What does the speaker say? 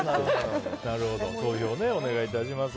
投票、お願いします。